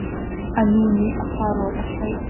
A nu nih a fa rawl a kheih.